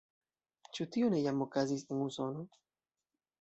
Ĉu tio ne jam okazis en Usono?